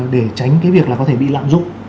để tránh cái việc là có thể bị lạm dụng